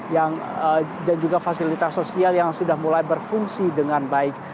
dan juga fasilitas sosial yang sudah mulai berfungsi dengan baik